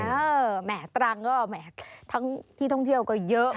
แหม่ตรังก็แหมทั้งที่ท่องเที่ยวก็เยอะ